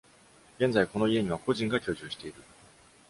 現在この家には個人が居住している。